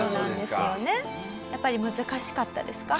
やっぱり難しかったですか？